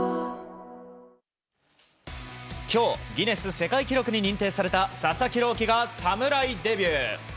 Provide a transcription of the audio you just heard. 今日、ギネス世界記録に認定された佐々木朗希が侍デビュー。